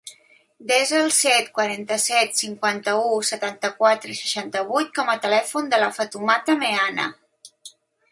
Desa el set, quaranta-set, cinquanta-u, setanta-quatre, seixanta-vuit com a telèfon de la Fatoumata Meana.